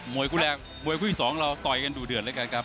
คู่แรกมวยคู่ที่สองเราต่อยกันดูเดือดแล้วกันครับ